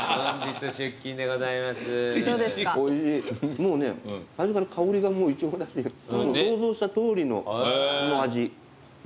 もうね最初から香りがもうイチゴだし想像したとおりの味。